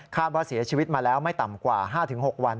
ว่าเสียชีวิตมาแล้วไม่ต่ำกว่า๕๖วัน